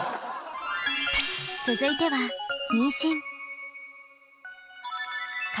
続いては妊娠。